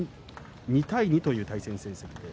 ２対２という対戦成績です。